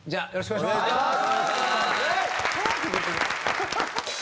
お願いします！